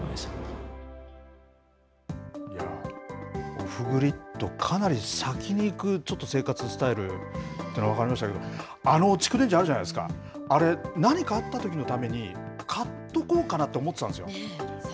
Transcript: オフグリッド、かなり先に行くちょっと生活スタイルっていうのは分かりましたけど、あの蓄電池あるじゃないですか、あれ、何かあったときのために買っておこうかなと思ってたんですよ。